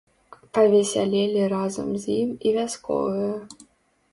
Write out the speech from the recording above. Павесялелі разам з ім і вясковыя.